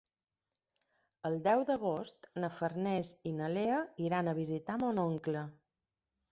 El deu d'agost na Farners i na Lea iran a visitar mon oncle.